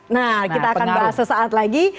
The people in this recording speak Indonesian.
nah kita akan bahas sesaat lagi